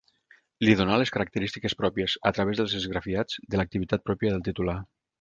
Li donà les característiques pròpies, a través dels esgrafiats, de l'activitat pròpia del titular.